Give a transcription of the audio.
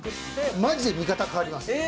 マジで見方変わります。